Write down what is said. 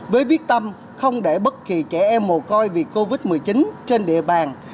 với viết tâm không để bất kỳ trẻ em mồ côi vì covid một mươi chín trên địa bàn